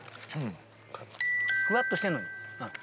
ふわっとしてんのにあっ。